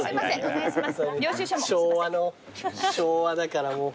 昭和だからもう。